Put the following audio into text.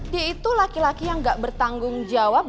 dia itu laki laki yang gak bertanggung jawab